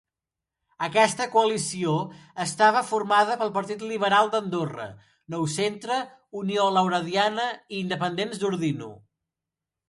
Aquesta coalició estava formada pel Partit Liberal d'Andorra, Nou Centre, Unió Laurediana i Independents d'Ordino.